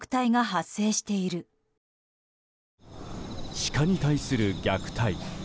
シカに対する虐待。